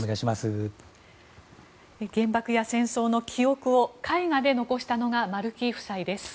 原爆や戦争の記憶を絵画で残したのが丸木夫妻です。